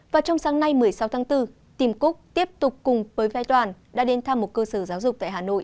và trong sáng nay một mươi sáu tháng bốn tìm cúc tiếp tục cùng với vai toàn đã đến thăm một cơ sở giáo dục